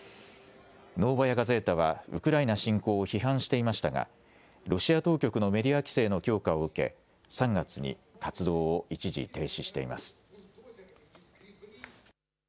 ノーバヤ・ガゼータはウクライナ侵攻を批判していましたが、ロシア当局のメディア規制の強化を受け、３月に活動を一時停止しています。